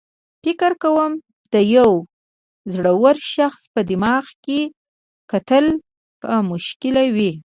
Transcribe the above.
فکر کوم د یو زړور شخص په دماغ کې کتل به مشکل وي.